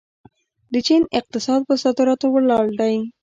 د چین اقتصاد په صادراتو ولاړ دی.